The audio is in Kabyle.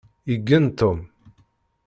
Igen Tom.